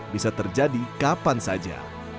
bisa terjadi kapan saja